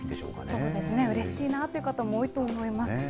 そうですね、うれしいなという方も多いと思います。